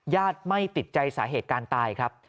ไม่ติดใจสาเหตุการณ์ตายครับ